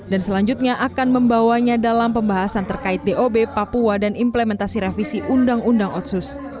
dan selanjutnya akan membawanya dalam pembahasan terkait dob papua dan implementasi revisi undang undang otsus